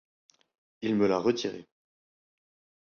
Il me l'a retiré.